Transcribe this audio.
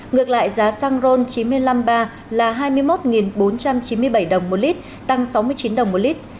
ngược lại giá xăng ron chín trăm năm mươi ba là hai mươi một bốn trăm chín mươi bảy đồng một lít tăng sáu mươi chín đồng một lít